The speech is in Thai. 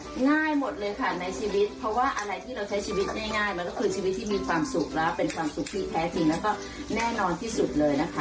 ในชีวิตเพราะว่าอะไรที่เราใช้ชีวิตง่ายง่ายมันก็คือชีวิตที่มีความสุขแล้ว